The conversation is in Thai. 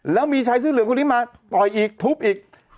แล้วมีชายเสื้อเหลืองคนนี้มาต่อยอีกทุบอีก